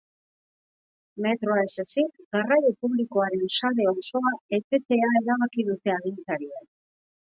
Metroa ez ezik, garraio publikoaren sare osoa etetea erabaki dute agintariek.